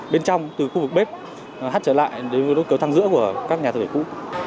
bên trong từ khu vực bếp hắt trở lại đến cầu thang giữa của các nhà thực vệ cũ